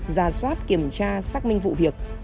gia soát kiểm tra xác minh vụ việc